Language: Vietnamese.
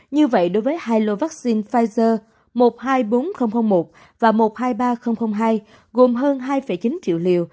như vậy đối với hai lô vaccine pfizer một trăm hai mươi bốn nghìn một và một trăm hai mươi ba nghìn hai gồm hơn hai chín triệu liều